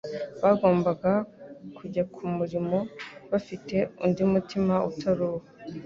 bagombaga kujya ku murimo bafite undi mutima utari uwo.